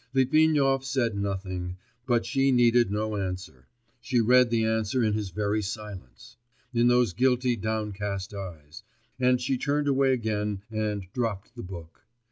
Litvinov said nothing, but she needed no answer, she read the answer in his very silence, in those guilty downcast eyes and she turned away again and dropped the book....